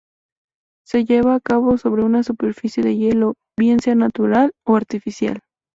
Se lleva a cabo sobre una superficie de hielo, bien sea natural o artificial.